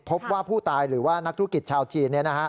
พบว่าผู้ตายหรือว่านักธุรกิจชาวจีน